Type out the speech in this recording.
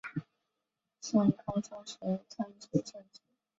宋高宗时参知政事。